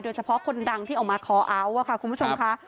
เฉพาะคนดังที่ออกมาคอเอาท์ค่ะคุณผู้ชมค่ะ